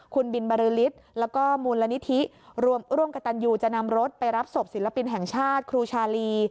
คุณบินบริษฐ์แล้วก็มูลนิธิร่วมกับตันยูจะนำรถไปรับศพศิลปินแห่งชาติครูชาลี